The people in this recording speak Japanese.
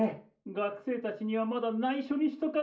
・学生たちにはまだないしょにしとかないしょね。